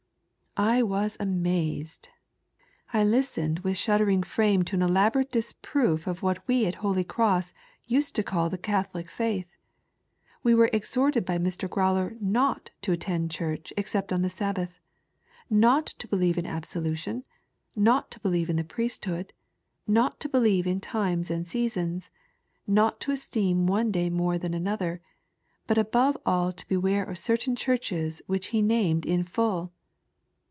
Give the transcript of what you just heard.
I was amazed. I listened with shnddoring frame to an elaborate disproof of what we at Holy Cross used to call the Catholic Faith. We were exhorted by Mr. (irrowler not to attend chm'cb except on the Sabbath ; not to beheye in absolution ; not to beheYe in the priesthood; not to believe in times and seasons ; 7iot to esteem one day more than another ; but above all to beware of certain, churches which he named in full.